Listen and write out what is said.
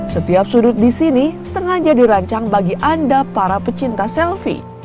setiap sudut di sini sengaja dirancang bagi anda para pecinta selfie